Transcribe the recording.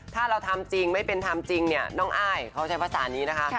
ถ้าเราทำจริงไม่เป็นธรรมจริงเนี่ยน้องอ้ายเขาใช้ภาษานี้นะคะ